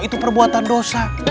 itu perbuatan dosa